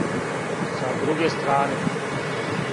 Са друге стране.